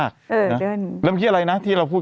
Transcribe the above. เกรกหล่อมั้ย